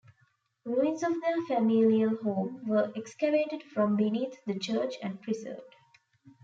Ruins of their familial home were excavated from beneath the church and preserved.